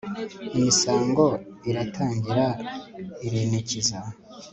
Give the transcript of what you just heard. imisango iratangira irinikiza